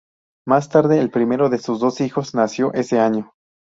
Más tarde, el primero de sus dos hijos nació ese año.